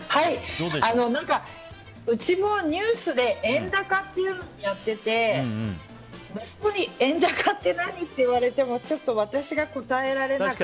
うちもニュースで円高っていうのをやってて息子に円高って何って言われても私が答えられなくて。